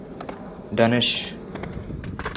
Danish